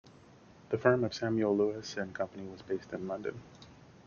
The firm of Samuel Lewis and Company was based in London.